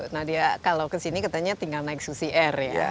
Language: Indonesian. nah dia kalau kesini katanya tinggal naik susi air ya